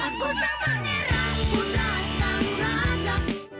aku sama ngeraku rasa raja